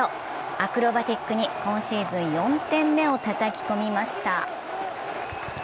アクロバティックに今シーズン４点目をたたき込みました。